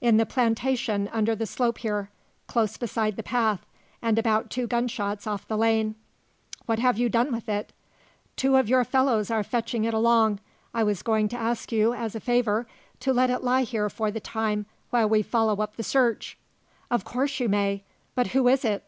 "In the plantation under the slope here close beside the path, and about two gunshots off the lane." "What have you done with it?" "Two of your fellows are fetching it along. I was going to ask you as a favour to let it lie here for the time while we follow up the search." "Of course you may. But who is it?"